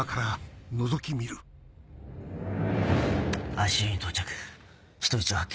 ＩＣＵに到着人質を発見。